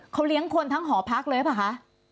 อ๋อเขาเลี้ยงคนทั้งหอพักเลยป่ะคะ